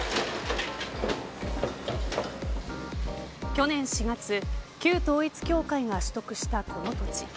去年４月旧統一教会が取得したこの土地。